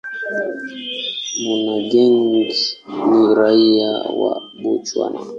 Monageng ni raia wa Botswana.